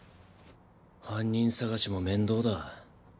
犯人探しも面倒だ。